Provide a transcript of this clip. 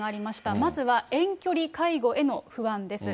まずは遠距離介護への不安です。